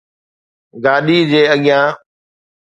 گاڏي جي اڳيان